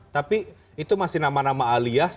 tapi itu masih nama nama alias